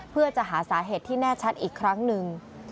เพื่อจะหาสาเหตุที่แน่ชัดอีกครั้งหนึ่ง